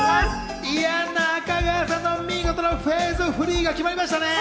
中川さん、見事なフェーズフリーが決まりましたね。